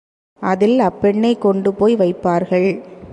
அதில் அப்பெண்ணைக் கொண்டுபோய் வைப்பார்கள்.